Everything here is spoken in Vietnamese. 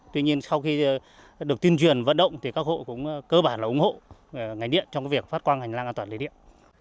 tuy nhiên sau khi được tin truyền vận động thì các hộ cũng cơ bản là ủng hộ ngành điện trong việc phát quang hành lang an toàn lưới điện